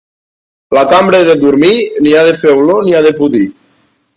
La cambra de dormir ni ha de fer olor ni ha de pudir.